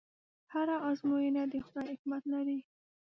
هره ازموینه د خدای حکمت لري.